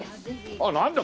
あっなんだ。